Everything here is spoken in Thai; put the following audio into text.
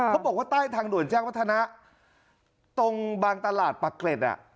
เขาบอกว่าใต้ทางด่วนแจ้งวัฒนาตรงบางตลาดปรักเกร็ด